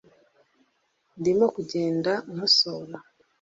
ndimo kugenda nkosora